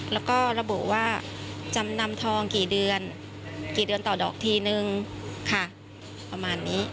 แล้วก็ระบุว่าจำนำทองกี่เดือนกี่เดือนต่อดอกทีนึงค่ะประมาณนี้